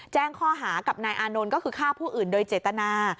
แจ้งข้อหากับนายอานนท์ก็คือฆ่าผู้อื่นโดยเจตนา